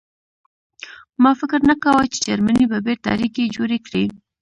ما فکر نه کاوه چې جرمني به بېرته اړیکې جوړې کړي